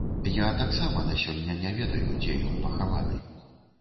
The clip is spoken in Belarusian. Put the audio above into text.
Я таксама на сёння не ведаю, дзе ён пахаваны.